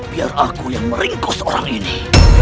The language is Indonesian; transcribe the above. biar aku yang meringkus orang ini